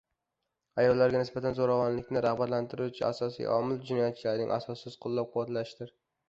Ayollarga nisbatan zo'ravonlikni rag'batlantiruvchi asosiy omil jinoyatchilarning asossiz qo'llab -quvvatlashidir.